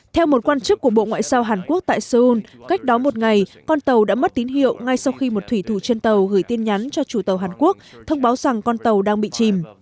theo một quan chức của bộ ngoại giao hàn quốc tại seoul cách đó một ngày con tàu đã mất tín hiệu ngay sau khi một thủy thủ trên tàu gửi tin nhắn cho chủ tàu hàn quốc thông báo rằng con tàu đang bị chìm